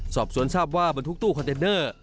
สอบสวนทราบว่าบรรทุกตู้คอนเทนเนอร์